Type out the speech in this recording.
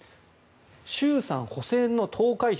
衆参補選の投開票。